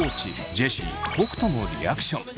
ジェシー北斗のリアクション。